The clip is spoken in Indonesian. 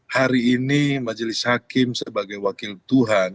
hari ini majelis hakim sebagai wakil tuhan